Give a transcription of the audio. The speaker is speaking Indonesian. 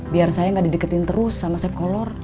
biar saya gak dideketin terus sama saeb kolor